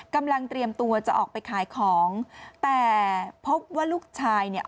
เตรียมตัวจะออกไปขายของแต่พบว่าลูกชายเนี่ย